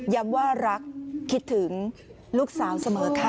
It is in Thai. ว่ารักคิดถึงลูกสาวเสมอค่ะ